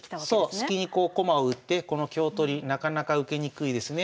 スキにこう駒を打ってこの香取りなかなか受けにくいですね。